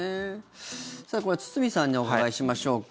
これは堤さんにお伺いしましょうか。